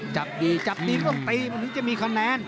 จับดีจับดีก็ต้องตีมันถึงจะมีคะแนน